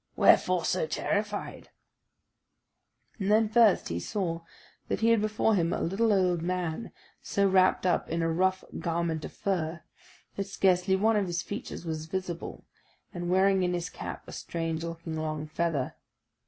wherefore so terrified?" And then first he saw that he had before him a little old man so wrapped up in a rough garment of fur, that scarcely one of his features was visible, and wearing in his cap a strange looking long feather.